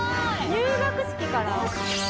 入学式から？